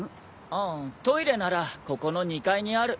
ああトイレならここの２階にある。